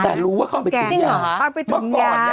แต่รู้ว่าเข้าไปตุ๊กยา